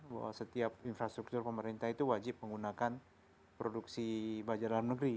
bahwa setiap infrastruktur pemerintah itu wajib menggunakan produksi baja dalam negeri